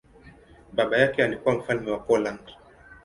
Baba yake alikuwa mfalme wa Poland.